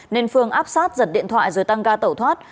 nên phương áp sát giật điện thoại rồi tăng ga tẩu thoát